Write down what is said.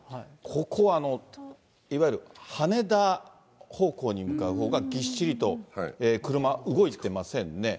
ここはいわゆる、羽田方向に向かうほうが、ぎっしりと、車、動いてませんね。